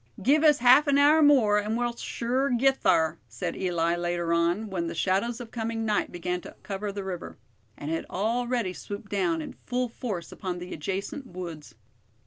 "Give us half a hour more, and we'll sure git thar," said Eli, later on, when the shadows of coming night began to cover the river; and had already swooped down in full force upon the adjacent woods.